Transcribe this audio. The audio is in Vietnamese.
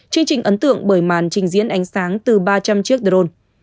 chương trình ấn tượng bởi màn trình diễn ánh sáng từ ba trăm linh chiếc drone